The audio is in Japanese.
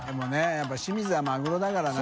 やっぱり清水はマグロだからな。